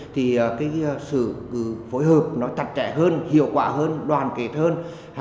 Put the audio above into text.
thì cái sự phối hợp nó tạch trẻ hơn hiệu quả hơn đoàn kết hơn